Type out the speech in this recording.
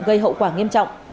gây hậu quả nghiêm trọng